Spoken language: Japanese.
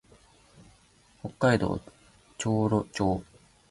北海道釧路町